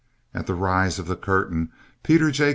At the rise of the curtain Peter J.